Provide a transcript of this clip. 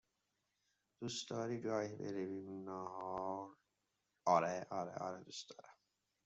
دوست داری گاهی برویم نهار؟